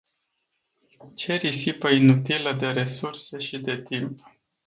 Ce risipă inutilă de resurse și de timp.